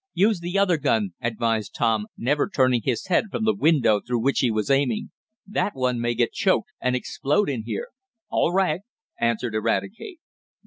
"Use the other gun," advised Tom, never turning his head from the window through which he was aiming. "That one may get choked, and explode in here." "All right," answered Eradicate.